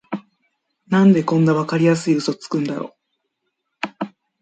なんでこんなわかりやすいウソつくんだろ